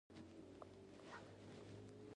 اوتښتیدلی دي